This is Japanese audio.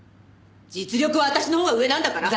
実力は私のほうが上なんだから！